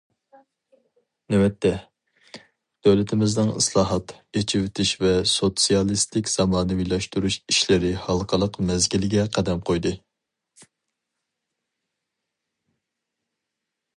نۆۋەتتە، دۆلىتىمىزنىڭ ئىسلاھات، ئېچىۋېتىش ۋە سوتسىيالىستىك زامانىۋىلاشتۇرۇش ئىشلىرى ھالقىلىق مەزگىلگە قەدەم قويدى.